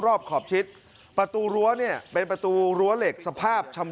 รอบขอบชิดประตูรั้วเนี่ยเป็นประตูรั้วเหล็กสภาพชำ